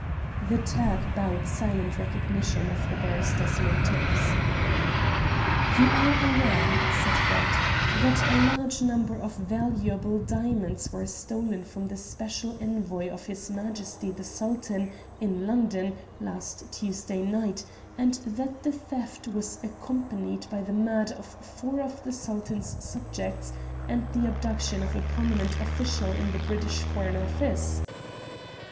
The Turk bowed silent recognition of the barrister's motives. "You are aware," said Brett, "that a large number of valuable diamonds were stolen from the special Envoy of his Majesty the Sultan, in London, last Tuesday night, and that the theft was accompanied by the murder of four of the Sultan's subjects and the abduction of a prominent official in the British Foreign Office?"